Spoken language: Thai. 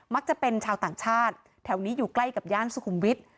จะเป็นชาวต่างชาติแถวนี้อยู่ใกล้กับย่านสุขุมวิทย์